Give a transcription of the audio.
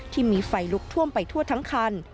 ที่มีไฟลุกท่วมไปทั่วทั้งคัน